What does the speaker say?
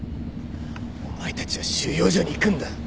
お前たちは収容所に行くんだ。